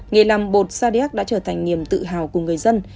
nghề làm bột sa đéc đã trở thành niềm tự hào của người dân